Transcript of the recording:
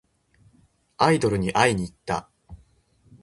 アイドルに会いにいった。